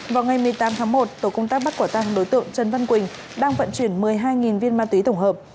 vào ngày một mươi tám tháng một tổ công tác bắt quả tăng đối tượng trần văn quỳnh đang vận chuyển một mươi hai viên ma túy tổng hợp